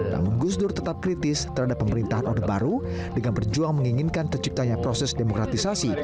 namun gus dur tetap kritis terhadap pemerintahan orde baru dengan berjuang menginginkan terciptanya proses demokratisasi